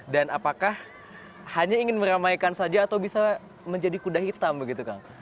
dan apakah hanya ingin meramaikan saja atau bisa menjadi kuda hitam begitu kang